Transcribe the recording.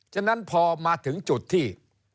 ฉะนั้นพอมาถึงจุดที่